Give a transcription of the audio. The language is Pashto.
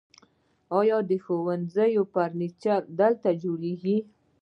آیا د ښوونځیو فرنیچر دلته جوړیږي؟